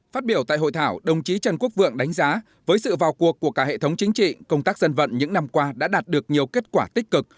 phát biểu tại hội thảo đồng chí trần quốc vượng đánh giá với sự vào cuộc của cả hệ thống chính trị công tác dân vận những năm qua đã đạt được nhiều kết quả tích cực